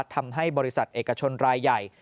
ทำให้บริษัทเอกชนรายใหญ่